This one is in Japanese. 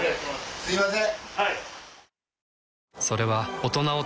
すいません。